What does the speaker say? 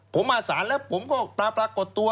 ผมมาสารแล้วผมก็ปรากฏตัว